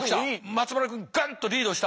松丸君ガンッとリードした。